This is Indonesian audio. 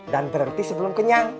dan berhenti sebelum kenyang